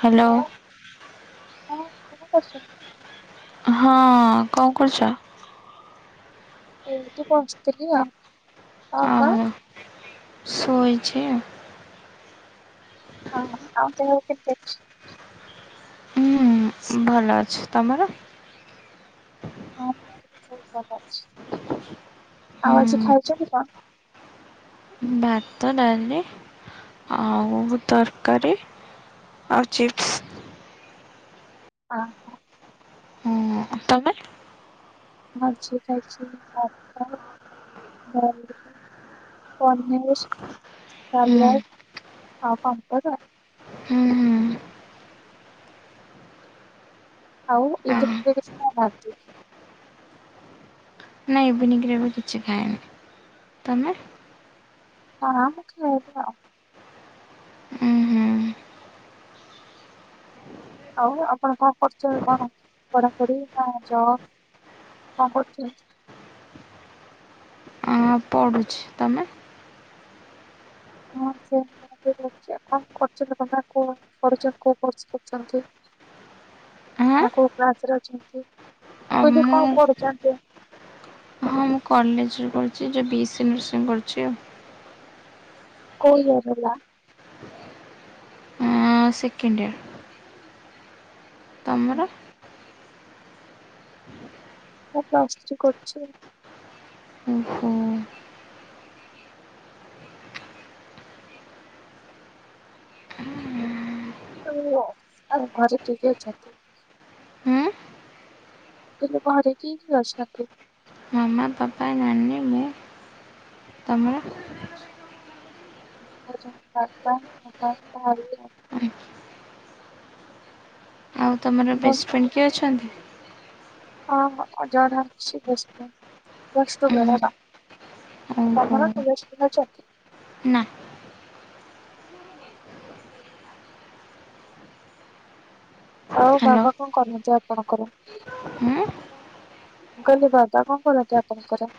Hello hello ହଁ କଣ କରୁଛନ୍ତି। ହଁ, କଣ କରୁଛ? ଏଇଠି ପହଞ୍ଚିଥିଲି ଆଉ ଙ୍କ ଓହୋ ଶୋଇଛି ଆଉ। ହଁ, ହଁ ଆଉ ଦେହ କେମତି ଅଛି। ଉଁ ଭଲ ଅଛୁ ତମର। ହଁ ବହୁତ ଭଲ ଅଛି ଆଉ ଆଜି ହୁଁ ଖାଇଛନ୍ତି କଣ? ଭାତ ଡାଲି ଆ ଆଉ ତରକାରୀ। ଆଉ ଚିପ୍ସ। ହଁ ତମେ। ମୁଁ ଆଜି ଖାଇଛି ଭାତ ଡାଲି ପନିର ହୁଁ ସାଲାଟ ଆଉ ପାମ୍ପଡ। ହୁଁ। ଆଉ ହଁ। ଇଜେନିଙ୍ଗ ରେ [unintelligible] କଣ ଭାରୁଚି ନାଇଁ ଇଭିନିଙ୍ଗରେ ବି କିଛି ଖାଏନି ତମେ। ହଁ ମୁଁ ଖାଇଲି ଆଉ। ଉଁ ହୁଁ ଆଉ ଆପଣ କଣ କରୁଚ କଣ? ପଢା ପଡି ନା ଜବ। କଣ କରୁଥିନି। ପଢୁଛି ତମେ। ହଁ ସେମେ [unintelligible] କଣ କରୁଚନ୍ତି କଣ [unintelligible] କୋଉ କୋର୍ସ କରୁଚନ୍ତି ଆଁ ନାଁ କୋଉ ବ୍ରାଞ୍ଚରେ ଅଛନ୍ତି। ଅ ମୁଁ କହିଲି କଣ ମୁଁ ପଢୁଛନ୍ତି? ହଁ ମୁଁ କଲେଜରେ ପଡୁଛି ଯେ ବି ଏସ୍ ସ ନର୍ସିଂ କରୁଛି ଆଉ। କୋଉ ୟର ହେଲା। ହଁ ସେକେଣ୍ଡୟର। ତମର। ମୁଁ ପ୍ଲସ ଥିରୀ କରୁଛି। ଓ ହୋ। [unintelligible] ଆଉ ଘରେ କିଏ କିଏ ଅଛନ୍ତି। ହୁଁ। ମୁଁ କହିଲି ଘରେ କିଏ କିଏ ଅଛନ୍ତି। ମାମା ପାପା ନାନୀ ମୁଁ ତମର। ଆମର ଅଛନ୍ତି ବାପା ମାମା ଭାଈ ଆ ଆଉ ତମର ମୁଁ ବେଷ୍ଟଫ୍ରେଣ୍ଡ କିଏ ଅଛନ୍ତି। ହଁ ହ ଜଣେ ଅଛିି ବେଷ୍ଟଫ୍ରେଣ୍ଡ ପ୍ଲସ ଟୁ ଉଁ, ବେଳ ର। ଆଉ ଓହୋ, ତମର କିଏ ବେଷ୍ଟଫ୍ରେ ଅଛନ୍ତି। ନା, ଆଉ ହ୍ୟାଲୋ, ବାବା କଣ କରନ୍ତି ଆପଣଙ୍କର ମୁଁ ଉଁ, କହିଲି ବାବା କଣ କରନ୍ତି ଆପଣଙ୍କର?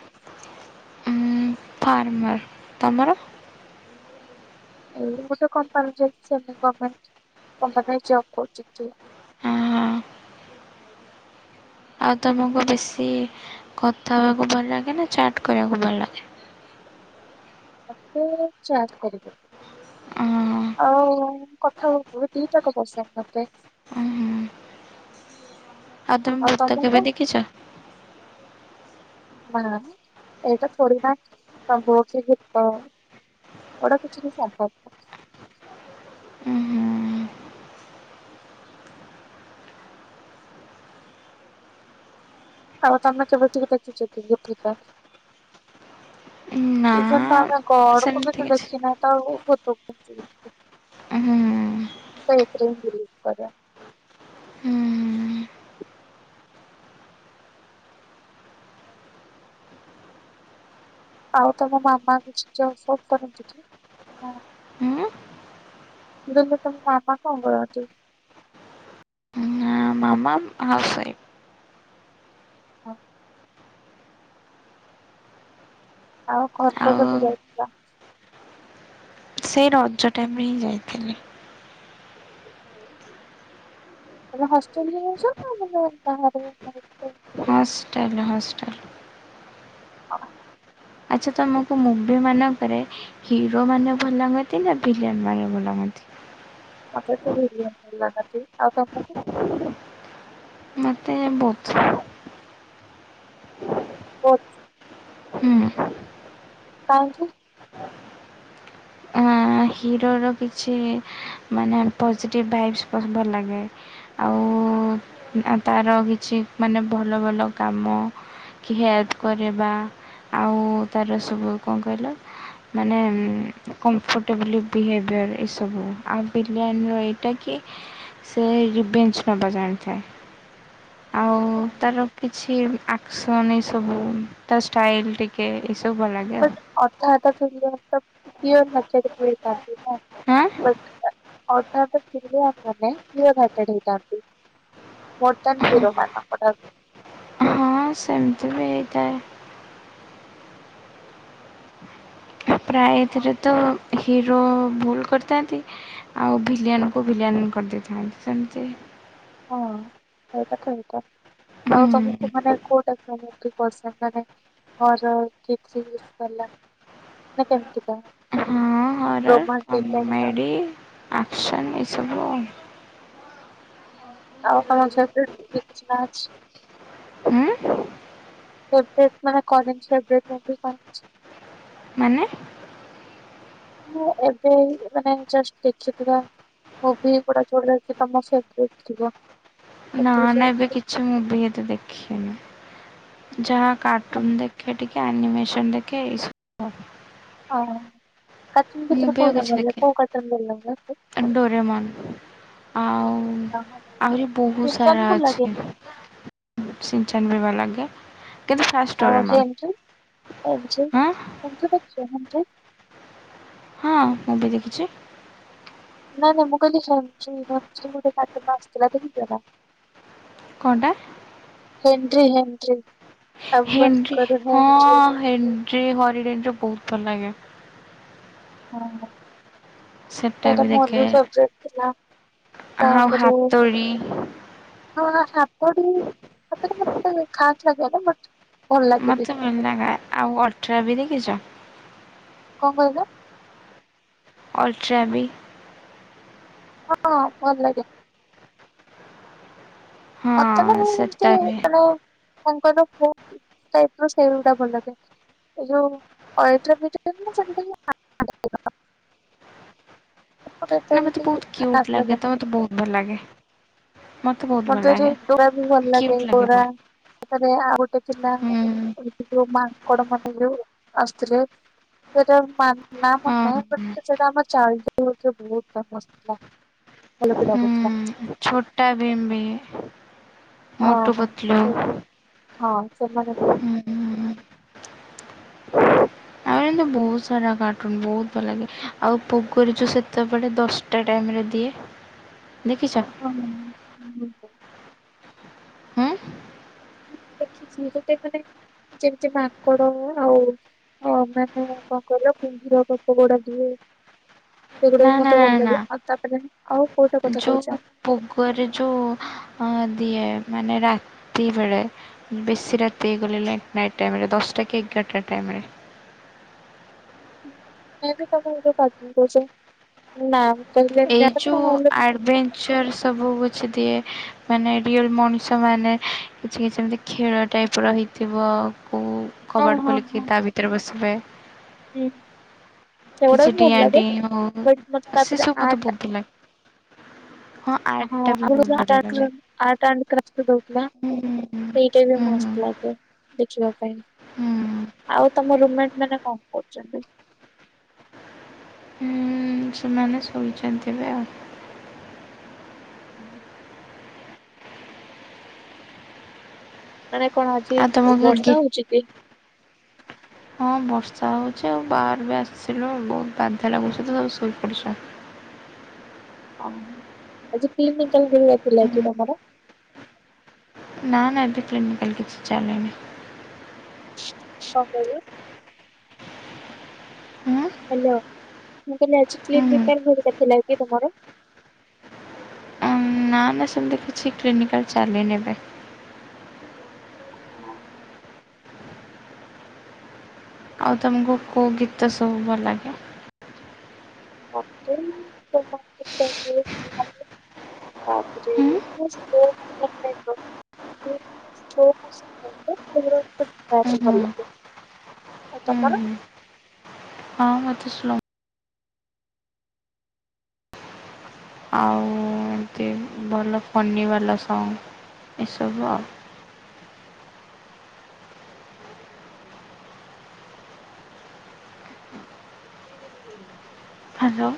ଫାରର୍ମର ତମର। ଏଇ ଗୋଟେ କମ୍ପାନୀରେ ଜେଇ [unintelligible] ଗମେଣ୍ଟ କମ୍ପାନୀରେ ଜବ କରୁଛନ୍ତି। ଆହା, ଆଉ ତମକୁ ବେଶୀ କଥା ହବାକୁ ଭଲ ଲାଗେ ନା ଚାଟ୍ କରିବାକୁ ଭଲ ଲାଗେ। ମତେ ଚାଟ୍ କରିବାକୁ। ଅଁ, ଆଉ କଥା ହବାକୁ ଦିଇଟାକ ପସନ୍ଦ ମୋତେ। ହୁଁ ଆଉ ତମେ ଭୂତ କେବେ ଦେଖିଛ। ନା ମ ଏଇଟା ଥୋଡିନା [unintelligible] ଗୀତ। ଏଡା କିଛି ବି ସମ୍ପର୍କ। ଉହୁଁ, ଆଉ ତମେ କେବେ ଟିକେ ଦେଖିଛ କି ପୂଜା ନା, ଇଭନ୍ ତ ଆମେ କଡକୁ ବି ସେମିତି ତ କିଛି, ଦେଖି ନାହିଁ। ଉହୁଁ, ତ ଏତରେ ମୁଁ ବିଲଭ କରେ। ଉହୁଁ, ଆଉ ତମ ମାମା କିଛି ଜବ ସବ କରନ୍ତି କି। ହୁଁ। [unintelligible] ତମ ମାମା କଣ କରୁଛି? ଆମ ମାମାମ୍ ହାଉସ୍ ୱାଇଫ୍। ହଁ। ଆଉ ଘରକୁ କେବେ ଆଉ ଯାଇଥିଲ? ସେଇ ରଜ ଟାଇମ ରେ ହିଁ ଯାଇଥିଲି। ଏବେ ହଷ୍ଟେଲରେ ରହୁଛ ନା ମାନେ କାହା ଘରେ [unintelligible] ହଷ୍ଟେଲ ହଷ୍ଟେଲ। [inaudible] ଆଚ୍ଛା ତମକୁ ମୁଭି ମାନଙ୍କରେ ହିରୋ ମାନେ ଭଲ ଲାଗନ୍ତି ନା ଭିଲିଆନ୍ ମାନେ ଭଲ ଲାଗନ୍ତି? ମତେ ସେଇ ଭିଲିଆନ୍ ଭଲ ଲାଗନ୍ତି। ଆଉ ତମକୁ? ନାଇ ବୋଥ୍। ବୋଥ୍ ହୁଁ। କାହିଁକି? ଆଁ ହିରୋର କିଛି ମାନେ ପଜିଟିଭ୍ ଭାଇବ୍ସ୍ ଭଲ ଲାଗେ। ଆଉ ତାର କିଛି ମାନେ ଭଲ ଭଲ କାମ କି ହେଲ୍ପ କରିବା, ଆଉ ତାର ସବୁ କଣ କହିଲ ମାନେ କମ୍ଫଟ ଟ ବିଲି ବିହେଭିୟର୍ ଏସବୁ। ଆଉ ଭିଲିଆନ୍ ର ଏଇଟା କି ସେ ରିଭେଞ୍ଜ୍ ନବା ଜାଣିଥାଏ। ଆ କାହିଁକି? ତାର କିଛି ଆକ୍ସନ୍ ଏସବୁ, ତା ଷ୍ଟାଇଲ ଟିକେ, ଏସବୁ ଭଲ ଲାଗେ। ଆଉ। ବଟ୍ ଅଧା ଅଧା ଫଲ୍ମ୍ ର କ୍ଲୀଅର [unintelligible] ବଟ୍ ଆଁ ଅଧା ଅଧା ଭିଲିଆନ୍ ମାନେ କ୍ଲିଅର ହାଟେଡ୍ ହେଇଥାନ୍ତି। ମୋର ଦ୍ୟାନ୍ ହିରୋ ମାନଙ୍କ ଠାରୁ। ହଁ ସେମିତି ବି ହେଇଥାଏ। [inaudible] ପ୍ରାୟ ଏଥିରେ ତ ହିରୋ ଭୁଲ କରିଥାନ୍ତି। ଆଉ ଭିଲିୟାନକୁ ଭିଲିଆନ କରିଦେଇଥାନ୍ତି। ସେମିତି। ହଁ [unintelligible] ଆଉ ତମକୁ ହୁଁ। ମାନେ କୋଉଟା [unintelligible] ପସନ୍ଦ ମାନେ? ହର କିଛି [unintelligible] ମାନେ କେମିତି କା? ହଁ ରୋମଟିକ୍ ଟାଇପ ର। ଆଛା। ଏସବୁ। ଆଉ [unintelligible] କିଛି ନା ଅଛି। ହୁଁ [unintelligible] ମାନେ? ମୁଁ ଏବେ ମାନେ ଜଷ୍ଟ୍ ଦେଖିଥିବା ମୁଁଭି ଗୋଡା ଯୋଉଟାକି ତମ [unintelligible] ଥିଲା। ନା ନା ଏବେ କିଛି ମୁଭି ଏତେ ଦେଖିନି। ଯାହା କାର୍ଟୁନ୍ ଦେଖେ ଟିକେ, ଆନିମେସନ ଦେଖେ, ଏସବୁ। [unintelligible] ହଁ। କାର୍ଟୁନ୍ ଭିତରେ ମୁଭି ଆଉ କୋଉ ଟା କିଛି ଭଲ ଲାଗେ? ଦେଖେ କଉ କାର୍ଟୁନ୍ ଭଲଲାଗେ? [unintelligible] ଡୋରେମନ୍ ଆଉ ଆହୁରି ବହୁତ୍ ସାରା ସିନଚାନ ଭଲ ଲାଗେନି ଅଛି। [unintelligible] ଲାଗା ଅଁ ଆଉ [unintelligible] ଥ୍ରି ହଁ ଆଣ୍ଡ୍ରଏଡ ହଁ କାଲି ଦେଖିଛି। ନାଇଁ ନାଇଁ ମୁଁ କହିଲି [unintelligible] ଗୋଟେ କାଟୁନୁଟେ ଆସଥିଲା ଦେଖିଚନା? କଁଅଟା? ହେଣ୍ଟ୍ରି ହାଣ୍ଡ୍ରି ହେଣ୍ଡ୍ରି ହଁ ହେଣ୍ଡ୍ରି ହରିଡ଼େଣ୍ଡ ବହୁତ୍ ଭଲ ଲାଗେ। ହଁ ସେଟା ସେରା ବି ଦେଖେ ଭଲ ସବ୍ଜେଟ୍ ଥିଲା। ଆଉ ତାପରେ ହାତୋଡ଼ି ହଁ ଆପଡି ଏତେବି ମତେ ଖାସ୍ ଲାଗିଲାନି ବଟ୍ ଭଲ ଲାଗେ ବି ମୋତେ ମିଳିନା ଆଉ ଅଠର ବି ଦେଖିଚ? କଣ କହିଲ? ଅଲଟ୍ରାବି? ହଁ ଭଲ ଲାଗେ। ହଁ ମତେ ମୁ ଏମିତି ସେଟା ବି ମାନେ କଣ କଇଁଲ [unintelligible] ସେଇଗୁଟା ଭଲଲାଗେ। ଏଇ ଯୋଉ [unintelligible] ଏତେ ନା ମତେ ବି ବହୁତ୍ ଖାସ୍ କିୟୁଟ୍ ଲାଗେତ ଲାଗେନି। ମତେ ବହୁତ୍ ଭଲ ଲାଗେ। ମୋତେ ଡୋରାବି ଭଲ ଲାଗେ କ୍ୟୁଟ୍ ଡୋରା ବହୁତ ସେଠିରେ ଆଉ ଗୋଟେ ଥିଲା ହୁଁ। ଏଠି ଯୋଉ ମାଙ୍କଡ଼ ମାନେ ଯଉ ଆସୁଥିଲେ ସେଟା ନା ନା ମନେନାହିଁ ହଁ ସେଟା ଆମ ଚାଉରେ ବହୁତ ଫେମସ୍ ଥିଲା। ଭଲବି ଲାଗୁଥିଲା। ହୁଁ ଛୋଟା ଭିମ୍ବି ମୋଟୁ ଓହୋ ପତୁଲୁ ସେଇଟା ହଁ ସେମାନେବି ହୁଁ। ମାନେ ବହୁତ ସାରା କାର୍ଟୁନ ବହୁତ ଭଲ ଲାଗେ ଆଉ [unintelligible] ସେତେବେଳେ ଦଶ ଏଟା ଟାଇମ୍ରେ ଦିଏ ଦେଖିଚ। ହଁ ହଁ। ହୁଁ ଁ ଦେଖିଛି ଗୋଟେ ମାନେ ଯେମିତି ମାଙ୍କଡ଼ ଆଉ ହଁ ମାନେ କଣ କହିଲ କୁମ୍ଭୀର ଗପ ଗୋଡ଼ ଦିଏ ନା ସେଗୁଡ଼ାବି ନା ମତେ ନା ଭଲ ନା ଲାଗେ ଆଉ ତାପରେ ଆଉ କୋଉଟା କଥା ଯୋଉ କହୁଚ? ପୋଗରେ ଯୋଉ ଅଁ ଦିଏ ମାନେ ରାତି ବେଳେ ବେଶୀ ରାତି ହେଇଗଲେ ଲେଟ୍ ନାଇଟ୍ ଟାଇମରେ ଦଶଟା କି ଏଗାରଟା ଟାଇମରେ ମୋର [unintelligible] କୋଉଚ ନା କହିଲ [unintelligible] ସେରା ସବୁ କିଛି ଦିଏ। ମାନେ ରିଅଲ ମଣିଷ ମାନେ କିଛି ସେମିତି ଖେଳ ଟାଇପର ରହିଥିବ କୋଉ ହଁ କବାଟ ହଁ ଖୋଲିକି ହଁ ତାଭିତରେ ବସିବେ। ହୁଁ କିଛି ସେଗୁଡ଼ାବି ଡିଆଁ ଭଲଲାଗେ ଡିଇଁ ହଉ ବଟ୍ ମତେ ସେ ତାପରେ ସବୁ ମତେ ଆଟ ବହୁତ ଭଲ ଲାଗେ। ଆର୍ଟ ହଁ ଟା ବି [unintelligible] ବହୁତ ବଢିଆ ଆଥିଲା ଲାଗେ। ହୁଁ ହୁଁ ସେଇଟାବି ହୁଁ ମସ୍ତ। ଲାଗେ ଦେଖିବା ପାଇଁ ହୁଁ। ଆଉ ତମ ରୁମାଟ୍ ମାନେ କଣ କରୁଚନ୍ତି। ହୁଁ। ହୁଁ ସେମାନେ ଶୋଇଚନ୍ତି ଏବେ। ହୁଁ। ମାନେ କଣ ଆଜି ଆଉ ତମକୁ ଗୀ ବର୍ଷା ହଉଚକି? ହଁ ବର୍ଷା ହଉଚି ଆଉ ବାହାରବି ଆସିଲୁ ବହୁତ ବାଧା ଲାଗୁଚିତ ସବୁ ଶୋଇପଡ଼ିଚ। ହ କିତି ମିିନଟାଲ ହୁଁ ଦଥିଲାକିି ତମର? ନା ନା ଏବେ କ୍ଲିନିକାଲ କିଛି ଚାଲିନି। [unintelligible] ହୁଁ। ହ୍ୟାଲୋ ମୁଁ କହିଲି ଆଜି ହୁଁ ହୁଁ କ୍ଲିିନକାଲ୍ ଥିଲା କି ତମର? ନା ନା ସେମିତି କିଛି କ୍ଲିନିକାଲ୍ ଚାଲିନି ଏବେ। ଆଉ ତମକୁ କୋଉ ଗୀତ ସବୁ ଭଲ ଲାଗେ? ମତେ ଏଇ [unintelligible] ତାପରେ ହୁଁ ସ୍ଲୋ [unintelligible] ହୁଁ ହୁଁ [unintelligible] ଆଉ ହୁଁ ତମର? ହୁଁ ହଁ ମତେ ସ୍ଲୋ ଆଉ ଏମତି ଭଲ ଫନି ବାଲା ସଙ୍ଗ ଏସବୁ ଆଉ। ହ୍ୟାଲୋ।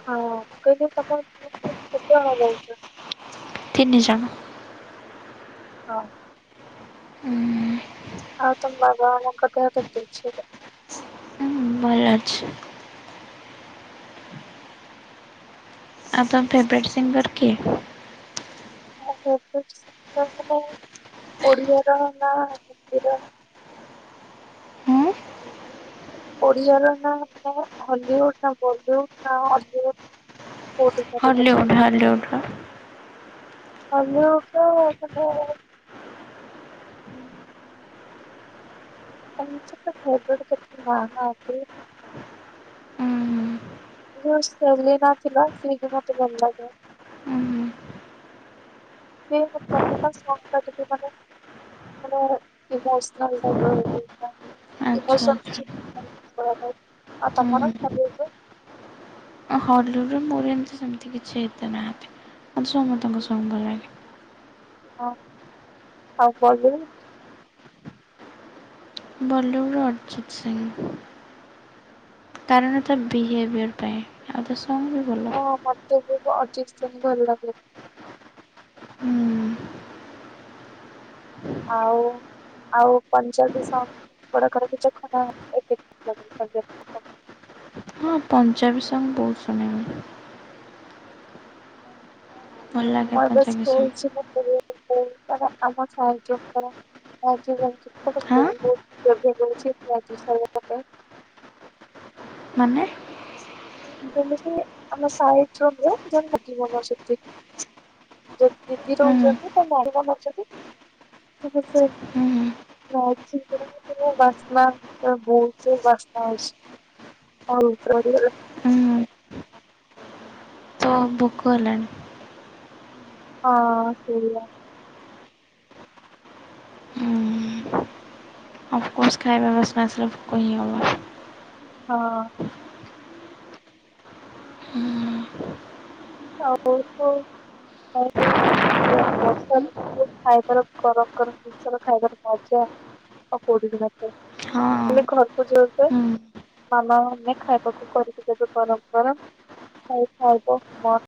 ହଁଁ କହିଲି ତମର କେତେ ଜଣ ଯାଉଛ? ତିନି ଜଣ। ହଁ ଉଁ ଆଉ ତମ ବାବା ମାମାଙ୍କ ଦେହ କେମିତି ଅଛି? ହଁ ଭଲ। ଅଛି। ଆଉ ତମ ଫେଭରେଟ୍ ସିଙ୍ଗର କିଏ? ମୋ ଫେବରେଟ୍ ସିଙ୍ଗର ମାନେ ଓଡ଼ିଆର ନା ହିନ୍ଦୀର? ହୁଁ ଓଡିଆର ନା ମାନେ ହଲିଉଡ ନା ବଲିଉଡ ନା ଅଲିଉଡ? କୋଉଠି କାର ହଲିଉଡ୍ ପଚାରୁଛ? ହଲିଉଡ୍ ର। ହଲିଉଡର ମାନେ ସେମିତି ତ ଫେବରେଟ କେହି ନାହାନ୍ତି। ଉଁ ହୁଁ ଯୋଉ ସେଲିନା ଥିଲା ସେଇକି ମତେ ଭଲ ଲାଗେ। ହୁଁ [unintelligible] ଇମୋସନାଲ ଟାଇପର ଆଚ୍ଛା ଇମୋସନ ଆଚ୍ଛା କିଛି [unintelligible] ଆଉ ତମର? ହଲିଉଡ଼ରେ ମୋର ଏମିତି ସେମିତି କିଛି ଏତେ ନାହାନ୍ତି ମୋତେ ସମସ୍ତଙ୍କ ସଙ୍ଗ ଭଲ ଲାଗେ। ହଁ ଆଉ ବଲିଉଡ? ବଲିଉଡ଼ର ଅରିଜିତ ସିଂ। କାରଣ ତା ବିହେଭିଅର ପାଇଁ ଆଉ ତା ସଙ୍ଗ ହଁ ମତେ ବି ଅରିଜିତ ସିଂ ଭଲ ଲାଗେ। ଆଉ ଆଉ ପଞ୍ଜାବି ସଙ୍ଗ ବଡ କରିକି ଦେଖ ନା [unintelligible] ପଞ୍ଜାବି ସଙ୍ଗ ବହୁତ ଶୁଣେ ମୁଁ। ଭଲ ଲାଗେ ମୁଁ ଏବେ ପଞ୍ଜାବୀ ସଙ୍ଗ୍ ଶୋଇଛି [unintelligible] ହଁ [unintelligible] ମାନେ [unintelligible] ଯଦି ଦିଦି ରହୁଛନ୍ତି ତ ନାଡି ବନଉଛନ୍ତି ଟିକେ ସେ ମ ଚ ବନା ବହୁ ବସ୍ନା ଅଛି [unintelligible] ହଉ ହଁ ଭୋକ ହେଲାଣି। ହଁ ସେଇଆ। କୌଣସି ଖାଇବା [inaudible] କହିହବନି। ହଁ। ହଉ। ବର୍ଷା ଦିନେ ଯୋଉ ଖାଇବାର ଗରମ ଗରମ ଜିନିଷ ର ଖାଇବାର ମଜା ଆଉ କୋଉ ଦିନ [inaudible] ଆମେ ଘରକୁ ଯାଉ ଜେ ହଁ ମାମା ମାନେ ଖାଇବାକୁ କରିକି ଦେବେ ଗରମ ଗରମ ଖାଇ ଖାଇବ ମ